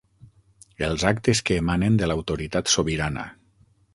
Els actes que emanen de l'autoritat sobirana.